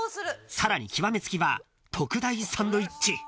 ［さらに極め付きは特大サンドイッチ］